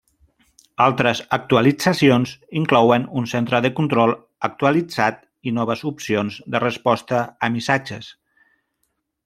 Altres actualitzacions inclouen un Centre de control actualitzat i noves opcions de resposta a Missatges.